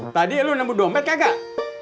tadi lu nambut dompet kagak